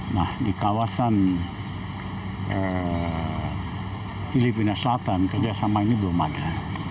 nah di kawasan filipina selatan kerjasama ini belum ada